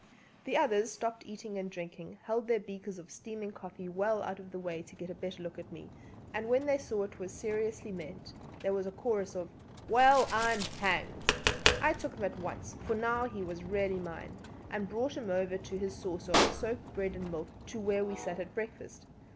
The others stopped eating and drinking, held their beakers of steaming coffee well out of the way to get a better look at me, and when they saw it was seriously meant there was a chorus of: "Well, I'm hanged." I took him in hand at once for now he was really mine and brought him over for his saucer of soaked bread and milk to where we sat at breakfast.